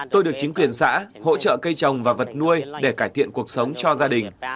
tôi được chính quyền xã hỗ trợ cây trồng và vật nuôi để cải thiện cuộc sống cho gia đình